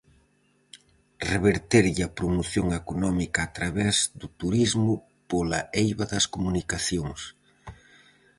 Reverterlle á promoción económica a través do turismo pola eiva das comunicacións.